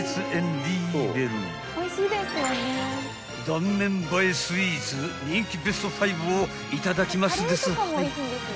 ［断面映えスイーツ人気ベスト５をいただきますですはい］